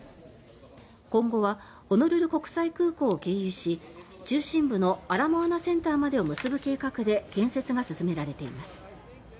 今後はホノルル国際空港を経由し中心部のアラモアナセンターまでを結ぶ計画で建設が進められています。